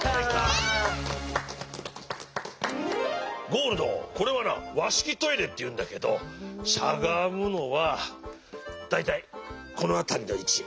ゴールドこれはなわしきトイレっていうんだけどしゃがむのはだいたいこのあたりのいち。